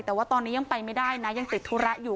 แต่ว่าตอนนี้ยังไปไม่ได้นะยังติดธุระอยู่